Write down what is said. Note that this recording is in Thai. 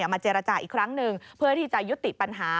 มาเจรจาอีกครั้งหนึ่งเพื่อที่จะยุติปัญหา